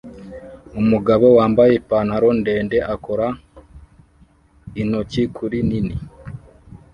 Umugabo wambaye ipantaro ndende akora intoki kuri nini